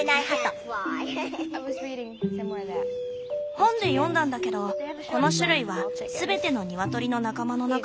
本で読んだんだけどこの種類は全てのニワトリの仲間の中で一番足が短いんだって。